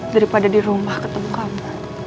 daripada di rumah ketemu kamu